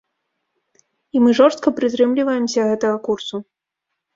І мы жорстка прытрымліваемся гэтага курсу.